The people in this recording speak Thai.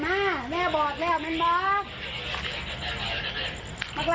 มาอิงโคื้อกัน